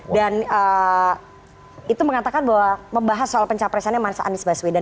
dan itu mengatakan bahwa membahas soal pencaparesannya manis anis baswedan